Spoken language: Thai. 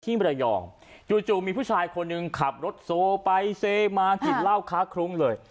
มรยองจู่มีผู้ชายคนหนึ่งขับรถโซไปเซมากินเหล้าค้าคลุ้งเลย